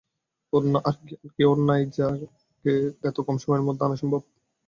অন্য আর কেউ নেই যাকে এত কম সময়ের মধ্যে আনা সম্ভব।